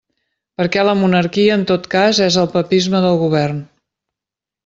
Perquè la monarquia en tot cas és el papisme del govern.